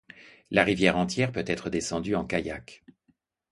La rivière entière peut être descendue en kayak.